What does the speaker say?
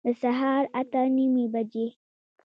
د سهار اته نیمي بجي